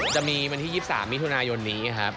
จะมีวันที่๒๓มิถุนายนนี้ครับ